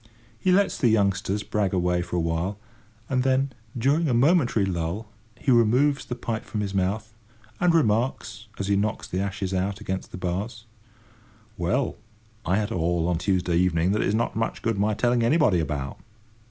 He lets the youngsters brag away for a while, and then, during a momentary lull, he removes the pipe from his mouth, and remarks, as he knocks the ashes out against the bars: "Well, I had a haul on Tuesday evening that it's not much good my telling anybody about."